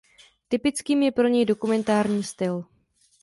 Typickým je pro něj dokumentární styl.